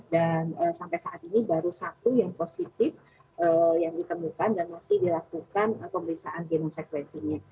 dan sampai saat ini baru satu yang positif yang ditemukan dan masih dilakukan pemeriksaan genom sekuensinya